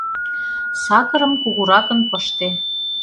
— Сакырым кугуракын пыште.